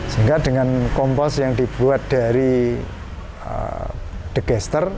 sehingga dengan kompos yang dibuat dari digester